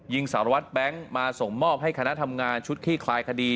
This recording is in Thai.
สารวัตรแบงค์มาส่งมอบให้คณะทำงานชุดคลี่คลายคดี